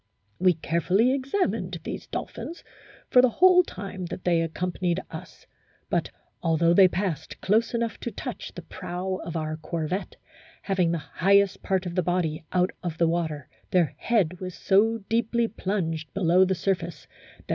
We carefully examined these dolphins for the whole time that they accompanied us ; but, although they passed close enough to touch the prow of our corvette, having the highest part of the body out of the water, their head was so deeply plunged below the surface that M.